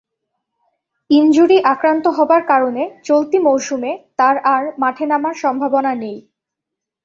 Injury আক্রান্ত হবার কারণে চলতি মৌসুমে তার আর মাঠে নামার সম্ভাবনা নেই।